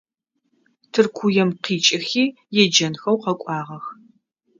Тыркуем къикIыхи еджэнхэу къэкIуагъэх.